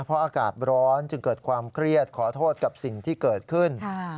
เพราะอากาศร้อนจึงเกิดความเครียดขอโทษกับสิ่งที่เกิดขึ้น